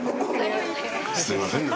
すいませんね